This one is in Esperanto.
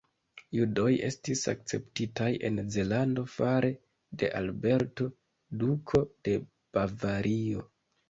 Judoj estis akceptitaj en Zelando fare de Alberto, Duko de Bavario.